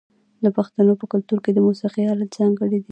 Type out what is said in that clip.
د پښتنو په کلتور کې د موسیقۍ الات ځانګړي دي.